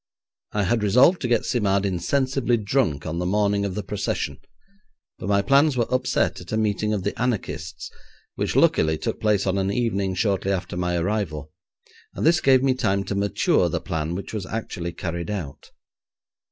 I had resolved to get Simard insensibly drunk on the morning of the procession, but my plans were upset at a meeting of the anarchists, which luckily took place on an evening shortly after my arrival, and this gave me time to mature the plan which was actually carried out.